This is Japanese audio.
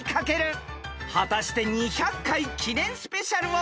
［果たして２００回記念スペシャルを制するのは？］